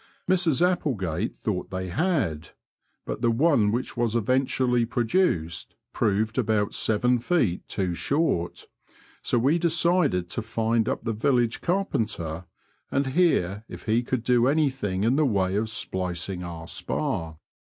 Mrs Applegate thought they had ; but the one which was eventually produced proved about seven feet too short, so we decided to find up the village carpenter and hear if he could do anything in the way of splicing our spar.